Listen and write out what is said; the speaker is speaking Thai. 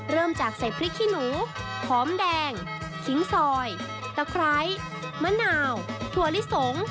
เริ่มจากใส่พริกขี้หนูหอมแดงขิงซอยตะไคร้มะนาวถั่วลิสง